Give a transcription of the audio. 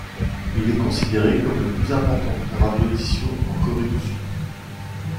Il est considéré comme le plus important programme d'audition en Corée du Sud.